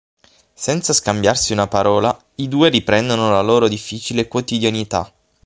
Senza scambiarsi una parola i due riprendono la loro difficile quotidianità.